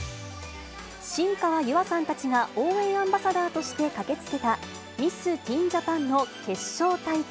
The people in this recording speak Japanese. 新川優愛さんたちが応援アンバサダーとして駆けつけたミス・ティーン・ジャパンの決勝大会。